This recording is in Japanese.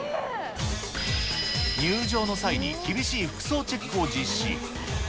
入場の際に厳しい服装チェッ